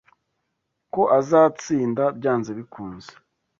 Ko azatsinda byanze bikunze.